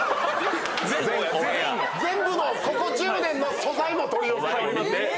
全部のここ１０年の素材も取り寄せております。